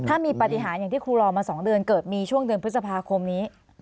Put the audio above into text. ถ้ามีปฏิหารอย่างที่ครูรอมา๒เดือนเกิดมีช่วงเดือนพฤษภาคมนี้